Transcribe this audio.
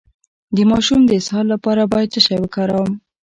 د ماشوم د اسهال لپاره باید څه شی وکاروم؟